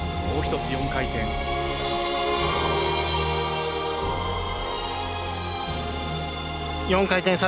もう１つ、４回転。